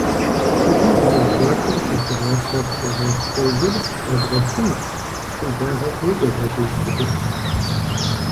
– Пщыжьым и мэл гуартэм хэт гъэлъэхъугъашхэжьыр уэдгъэшхынщ! – хьилагъэ хуокӀуэ Бажэжь цӀыкӀур.